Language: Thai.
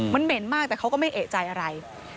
มันเหม็นมากแต่เขาก็ไม่เอกใจอะไร